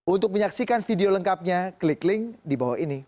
untuk menyaksikan video lengkapnya klik link di bawah ini